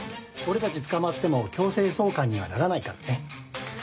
俺たち捕まっても強制送還にはならないからね。